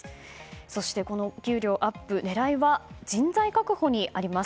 そして、この給料アップ狙いは人材確保にあります。